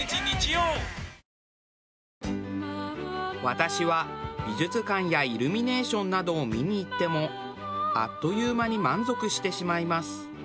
私は美術館やイルミネーションなどを見に行ってもあっという間に満足してしまいます。